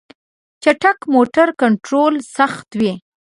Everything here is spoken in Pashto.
چټک موټر کنټرول سخت وي.